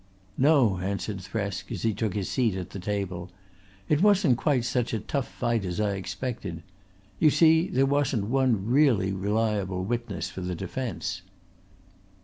"No," answered Thresk as he took his seat at the table. "It wasn't quite such a tough fight as I expected. You see there wasn't one really reliable witness for the defence."